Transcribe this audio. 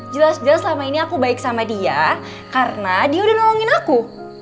jelas jelas selama ini aku baik sama dia karena dia udah ngomongin aku